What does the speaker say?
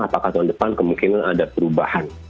apakah tahun depan kemungkinan ada perubahan